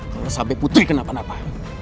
kalau sampai putri kenapa natal